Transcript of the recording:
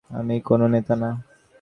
আমি কোনো নেতা না।